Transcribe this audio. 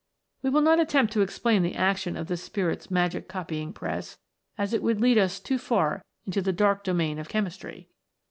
We will not attempt to explain the action of the Spirit's magic copying press, as it would lead us too far into the dark domain of chemistry.